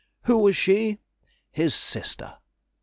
Who was she? His sister.